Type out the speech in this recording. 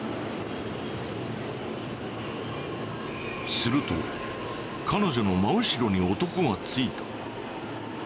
すると彼女の真後ろに男がついた。